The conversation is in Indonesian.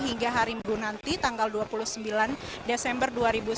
hingga hari minggu nanti tanggal dua puluh sembilan desember dua ribu sembilan belas